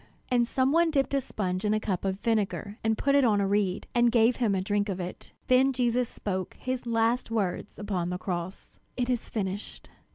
And some one dipped a sponge in a cup of vinegar, and put it upon a reed, and gave him a drink of it. Then Jesus spoke his last words upon the cross: "It is finished!